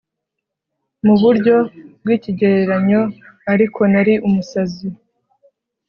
Mu buryo bwikigereranyo Ariko nari umusazi